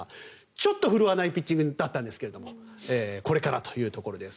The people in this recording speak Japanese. ちょっと振るわないピッチングだったんですがこれからというところです。